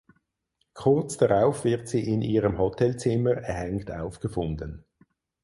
Kurz darauf wird sie in ihrem Hotelzimmer erhängt aufgefunden.